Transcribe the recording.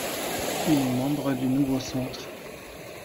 Il est membre du Nouveau Centre.